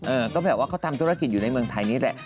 ก็แบบว่าเขาทำธุรกิจอยู่ในเมืองไทยนี่แหละ